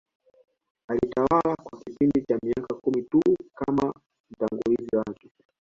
Alitawala kwa kipindi cha miaka kumi tu kama mtangulizi wake